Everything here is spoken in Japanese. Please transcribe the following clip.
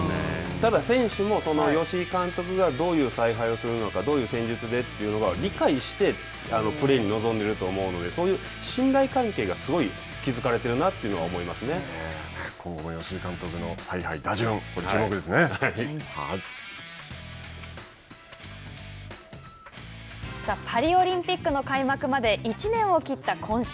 ただ、選手も吉井監督がどういう采配をするのか、どういう戦術でというのは、理解してプレーに臨んでいると思うので、そういう信頼関係がすごい築かれているなというのは今後も吉井監督の采配、打順、パリオリンピックの開幕まで１年を切った今週。